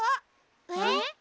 えっ？